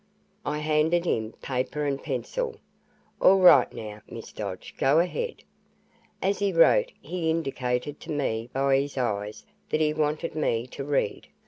I handed him paper and pencil. "All right now, Miss Dodge, go ahead." As he wrote, he indicated to me by his eyes that he wanted me to read.